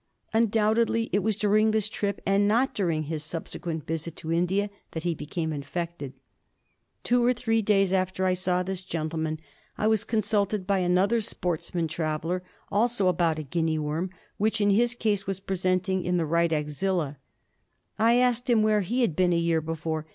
Undoubtedly, it was during this trip, and not during his subsequent visit to India, that he had become infected. Two or three days after I saw this gentleman I was consulted by another sportsman traveller, also about a Guinea worm, which, in his case, was presenting in the right axilla. I asked him where he had been a year before.